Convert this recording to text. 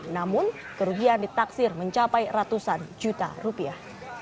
namun kerugian ditaksir mencapai ratusan juta rupiah